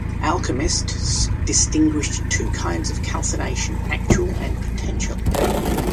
Alchemists distinguished two kinds of calcination, "actual" and "potential".